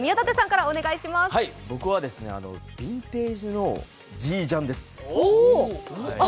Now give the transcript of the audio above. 僕はビンテージのジージャンです。